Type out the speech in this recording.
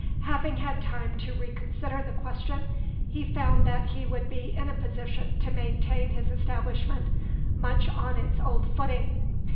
Having had time to reconsider the question, he found that he would be in a position to maintain his establishment much on its old footing.